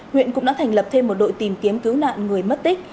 huyện cũng đã thành lập thêm một đội tìm kiếm cứu nạn người mất tích